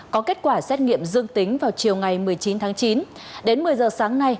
có kết quả xét nghiệm dương tính vào chiều ngày một mươi chín tháng chín đến một mươi giờ sáng nay